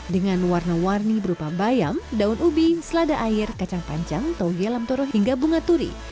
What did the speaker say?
dengan warna warni berupa bayam daun ubi selada air kacang panjang toge lamtoro hingga bunga turi